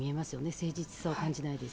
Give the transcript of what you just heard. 誠実さを感じないです。